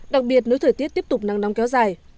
đặc biệt nếu thời tiết tiếp tục nắng nóng kéo dài